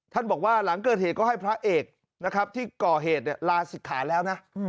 บอกว่าหลังเกิดเหตุก็ให้พระเอกนะครับที่ก่อเหตุลาศิกขาแล้วนะ